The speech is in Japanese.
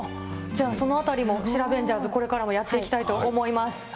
じゃあそのあたりもシラベンジャーズ、これからもやっていきたいと思います。